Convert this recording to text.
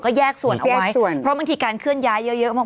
ก็แยกส่วนเอาไว้ส่วนเพราะบางทีการเคลื่อนย้ายเยอะเยอะมาก